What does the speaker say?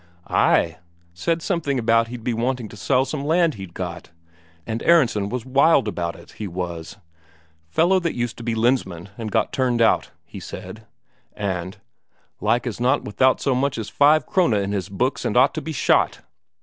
"Ay. Said something about he'd be wanting to sell some land he'd got. And Aronsen was wild about it, he was 'fellow that used to be Lensmand and got turned out,' he said, and 'like as not without so much as a five Krone in his books, and ought to be shot!'